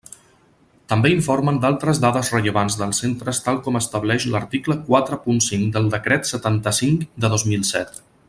També informen d'altres dades rellevants dels centres tal com estableix l'article quatre punt cinc del Decret setanta-cinc de dos mil set.